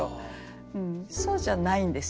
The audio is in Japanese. そうじゃないんですよね。